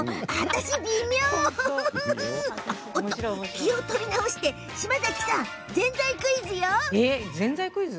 気を取り直して島崎さん、ぜんぜいクイズよ。